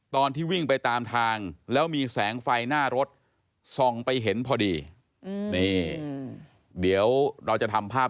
ตอนที่วิ่งไปตามทางแล้วมีแสงไฟหน้ารถส่องไปเห็นพอดีนี่เดี๋ยวเราจะทำภาพ